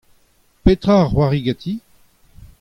Petra a c'hoari ganti ?